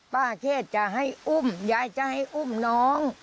แค่จะให้อุ้มยายจะให้อุ้มน้อง